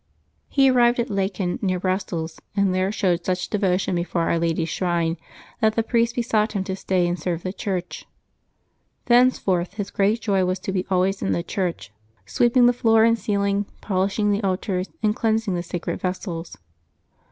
He arrived at Laeken, near Brussels, and there showed such devotion before Our Lady's shrine that the priest besought him to stay and serve the Church. Thenceforth his great joy was to be always in the church, sweeping the floor and ceiling, polishing the altars, and cleansing the sacred vessels.